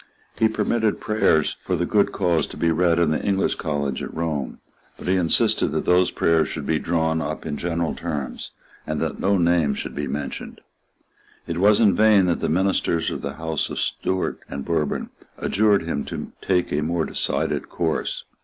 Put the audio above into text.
He permitted prayers for the good cause to be read in the English College at Rome; but he insisted that those prayers should be drawn up in general terms, and that no name should be mentioned. It was in vain that the ministers of the Houses of Stuart and Bourbon adjured him to take a more decided course.